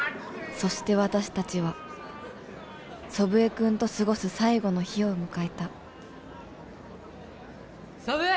そして私達は祖父江君と過ごす最後の日を迎えたソブー